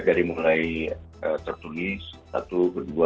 dari mulai tertulis satu ke dua